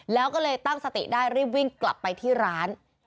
แล้วก็เลยตั้งสติได้รีบวิ่งกลับไปที่ร้าน